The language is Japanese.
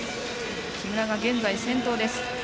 木村が現在先頭です。